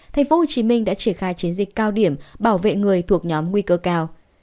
tp hcm đã triển khai chiến dịch cao điểm bảo vệ người thuộc nhóm nguy cơ cao